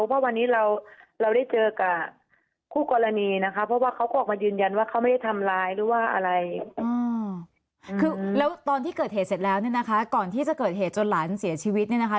ทำร้ายหรือว่าอะไรแล้วตอนที่เกิดเหตุเสร็จแล้วเนี่ยนะคะก่อนที่จะเกิดเหตุจนหลานเสียชีวิตเนี่ยนะคะ